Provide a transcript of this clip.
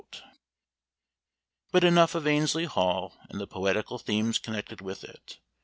But enough of Annesley Hall and the poetical themes connected with it.